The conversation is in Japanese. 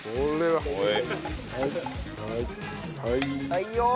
はいよ。